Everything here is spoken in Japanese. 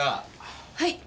はい。